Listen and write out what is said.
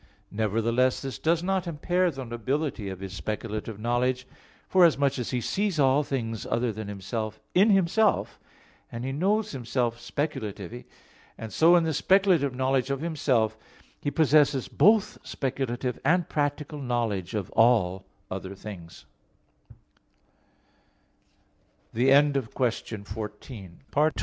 Nevertheless this does not impair the nobility of His speculative knowledge, forasmuch as He sees all things other than Himself in Himself, and He knows Himself speculatively; and so in the speculative knowledge of Himself, he possesses both speculative and practical knowledge of all other